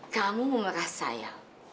kamu merasa ya